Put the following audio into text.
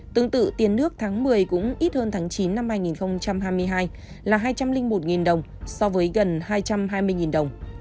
tương tự tiền nước tháng một mươi cũng ít hơn tháng chín năm hai nghìn hai mươi hai là hai trăm linh một đồng so với gần hai trăm hai mươi đồng